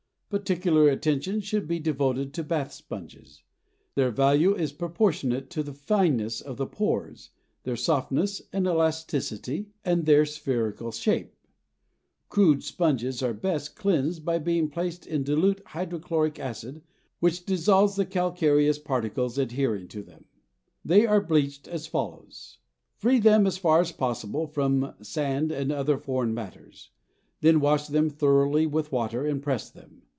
Particular attention should be devoted to bath sponges. Their value is proportionate to the fineness of the pores, their softness and elasticity, and their spherical shape. Crude sponges are best cleansed by being placed in dilute hydrochloric acid which dissolves the calcareous particles adhering to them. They are bleached as follows. Free them as far as possible from sand and other foreign matters. Then wash them thoroughly with water, and press them.